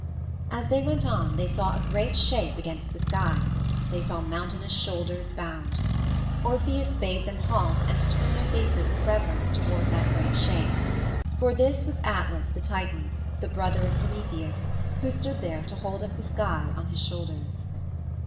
As they went on they saw a great shape against the sky; they saw mountainous shoulders bowed. Orpheus bade them halt and turn their faces with reverence toward that great shape: for this was Atlas the Titan, the brother of Prometheus, who stood there to hold up the sky on his shoulders.